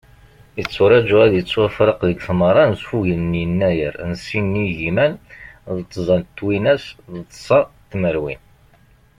Yetturaǧu ad yettwafraq deg tmeɣra n usfugel n yennayer n sin igiman d tẓa twinas d ṣa tmerwin.